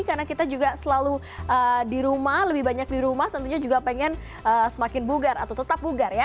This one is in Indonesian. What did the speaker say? karena kita juga selalu di rumah lebih banyak di rumah tentunya juga pengen semakin bugar atau tetap bugar ya